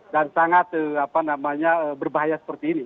dan sangat berbahaya seperti ini